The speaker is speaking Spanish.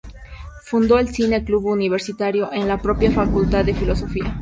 Fundó el "Cine Club Universitario" en la propia Facultad de Filosofía.